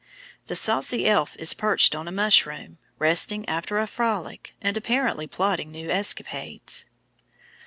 The saucy elf is perched on a mushroom, resting after a frolic, and apparently plotting new escapades.